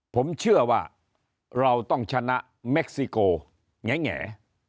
ผมเชื่อว่าเราต้องชนะเม็กซิโกแง่